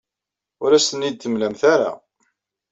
Ur asen-ten-id-temlamt ara.